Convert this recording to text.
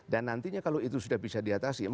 dan nantinya kalau itu sudah bisa diatasi